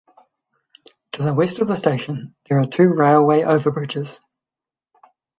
To the west of the station there are two railway over bridges.